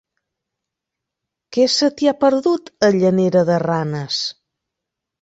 Què se t'hi ha perdut, a Llanera de Ranes?